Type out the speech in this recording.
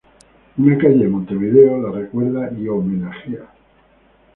Una calle en Montevideo, la recuerda y homenajea.